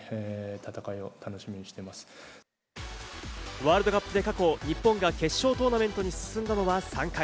ワールドカップで過去、日本が決勝トーナメントに進んだのは３回。